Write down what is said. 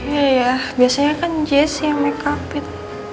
ya ya biasanya kan jesi yang makeupin